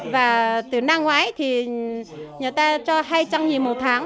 và từ năm ngoái thì người ta cho hai trăm linh một tháng